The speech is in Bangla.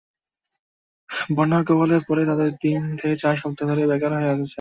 বন্যার কবলে পড়ে তাঁতিরা তিন থেকে চার সপ্তাহ ধরে বেকার হয়ে রয়েছেন।